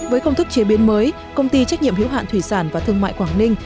với công thức chế biến mới công ty trách nhiệm hiếu hạn thủy sản và thương mại quảng ninh